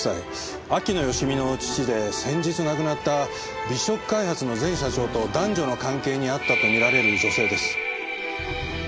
秋野芳美の父で先日亡くなった美食開発の前社長と男女の関係にあったと見られる女性です。